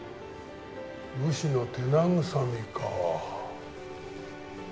武士の手慰みか。